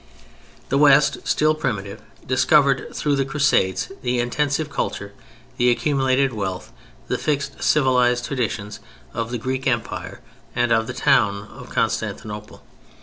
The West, still primitive, discovered through the Crusades the intensive culture, the accumulated wealth, the fixed civilized traditions of the Greek Empire and of the town of Constantinople.